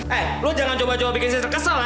eh lo jangan coba coba bikin sisil kesel ya